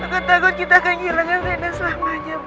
aku takut kita akan gilang sama lena selamanya mas